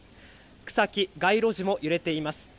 草木、街路樹も揺れています。